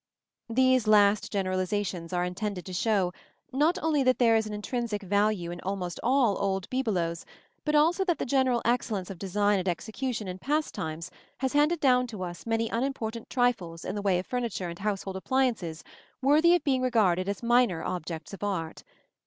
These last generalizations are intended to show, not only that there is an intrinsic value in almost all old bibelots, but also that the general excellence of design and execution in past times has handed down to us many unimportant trifles in the way of furniture and household appliances worthy of being regarded as minor objects of art.